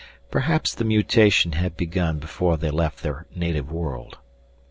Perhaps the mutation had begun before they left their native world.